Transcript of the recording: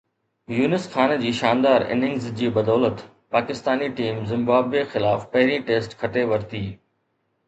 يونس خان جي شاندار اننگز جي بدولت پاڪستاني ٽيم زمبابوي خلاف پهرين ٽيسٽ کٽي ورتي.